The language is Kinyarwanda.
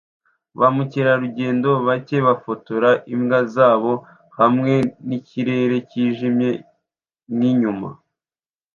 Ba mukerarugendo bake bafotora imbwa zabo hamwe nikirere cyijimye nkinyuma